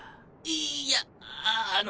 いやあの。